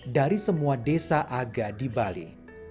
dari semua desa aga di bali